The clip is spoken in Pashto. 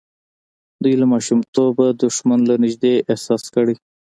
دوی له ماشومتوبه دښمن له نږدې احساس کړی.